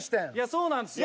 そうなんすよ。